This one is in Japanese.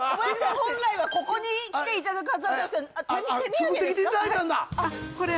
本来はここに来ていただくはずだったんですけど手土産ですか？